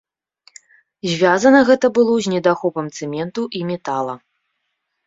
Звязана гэта было з недахопам цэменту і метала.